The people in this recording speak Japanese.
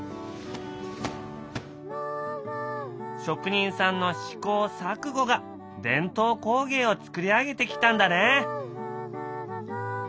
職人さんの試行錯誤が伝統工芸を作り上げてきたんだね。